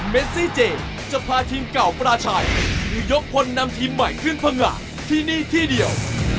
เมซี่เจจะพาทีมเก่าปราชัยหรือยกคนนำทีมใหม่ขึ้นพังงะที่นี่ที่เดียว